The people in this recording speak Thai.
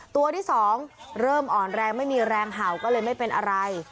ตัวที่สองเริ่มอ่อนแรงไม่มีแรงเห่าก็เลยไม่เป็นอะไร